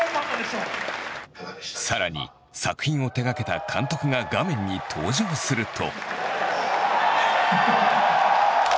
さらに作品を手がけた監督が画面に登場すると。